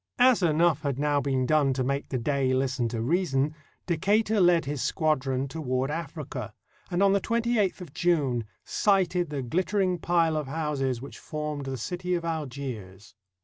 As enough had now been done to make the Dey hsten to reason, Decatur led his squadron toward Africa, and on the 28th of June sighted the gUttering pile of houses which formed the city of Algiers.